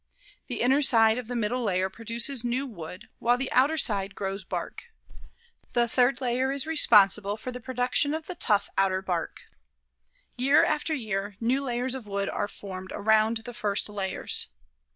The inner side of the middle layer produces new wood while the outer side grows bark. The third layer is responsible for the production of the tough, outer bark. Year after year new layers of wood are formed around the first layers.